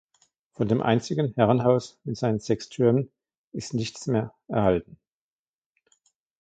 Von dem einstigen Herrenhaus mit seinen sechs Türmen ist nichts mehr erhalten.